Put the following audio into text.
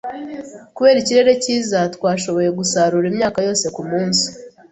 Kubera ikirere cyiza, twashoboye gusarura imyaka yose kumunsi.